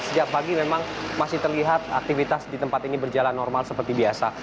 sejak pagi memang masih terlihat aktivitas di tempat ini berjalan normal seperti biasa